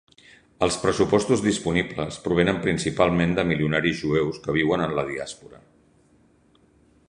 Els pressupostos disponibles provenen principalment de milionaris jueus que viuen en la diàspora.